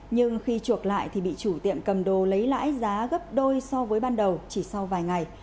nhưng khi chuộc lại thì bị chủ tiệm cầm đồ lấy lãi giá gấp đôi so với ban đầu chỉ sau vài ngày